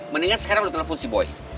mendingan sekarang lo telepon si boy